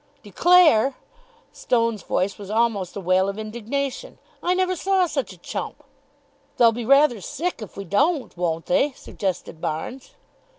"Declare!" Stone's voice was almost a wail of indignation. "I never saw such a chump." "They'll be rather sick if we don't, won't they?" suggested Barnes.